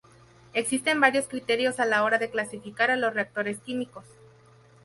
Existen varios criterios a la hora de clasificar a los reactores químicos.